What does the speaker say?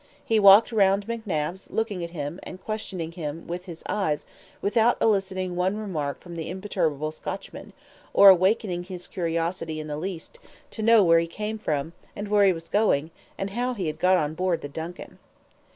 He walked round McNabbs, looking at him and questioning him with his eyes without eliciting one remark from the imperturbable Scotchman, or awakening his curiosity in the least, to know where he came from, and where he was going, and how he had got on board the DUNCAN.